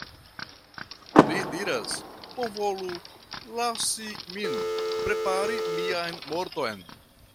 Li diras, "Bonvolu lasi min prepari mian morton.